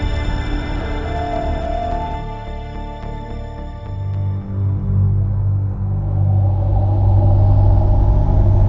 saya akan keluar